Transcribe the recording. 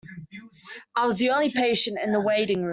I was the only patient in the waiting room.